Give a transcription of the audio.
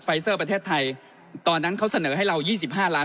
เซอร์ประเทศไทยตอนนั้นเขาเสนอให้เรา๒๕ล้าน